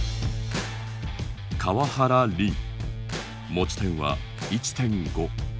持ち点は１．５。